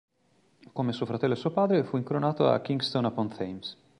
Come suo fratello e suo padre fu incoronato a Kingston upon Thames.